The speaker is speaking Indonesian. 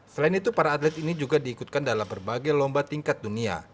selain itu para atlet ini juga diikutkan dalam berbagai lomba tingkat dunia